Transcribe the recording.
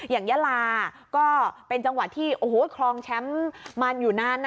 อย่างยาลาก็เป็นจังหวัดที่คลองแชมป์มันอยู่นานนะ